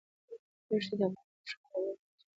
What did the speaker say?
دښتې د افغان ماشومانو د لوبو موضوع ده.